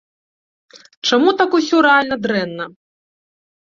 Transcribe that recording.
Чаму там усё рэальна дрэнна?!